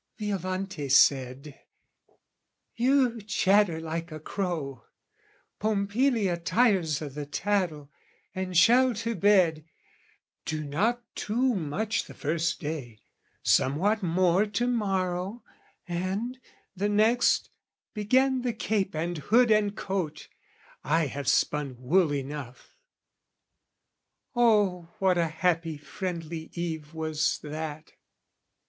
Violante said "You chatter like a crow: "Pompilia tires o' the tattle, and shall to bed: "Do not too much the first day, somewhat more "To morrow, and, the next, begin the cape "And hood and coat! I have spun wool enough." Oh what a happy friendly eve was that!